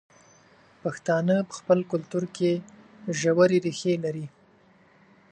پښتانه په خپل کلتور کې ژورې ریښې لري.